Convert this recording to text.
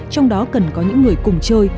trong đó cần có những người cùng chơi